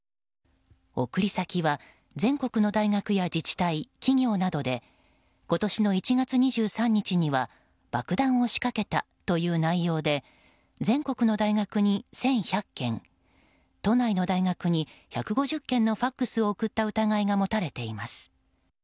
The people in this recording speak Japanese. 送り先は、全国の大学や自治体、企業などで今年の１月２３日には「爆弾を仕掛けた」という内容で全国の大学に１１００件都内の大学に１５０件のＦＡＸを送った疑いが持たれています。